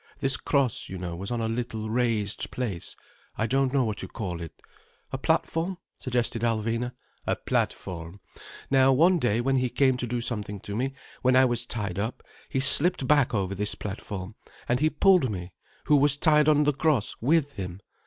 This cross, you know, was on a little raised place—I don't know what you call it—" "A platform," suggested Alvina. "A platform. Now one day when he came to do something to me, when I was tied up, he slipped back over this platform, and he pulled me, who was tied on the cross, with him.